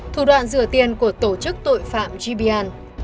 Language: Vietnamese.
thủ đoạn rửa tiền của tổ chức tội phạm gb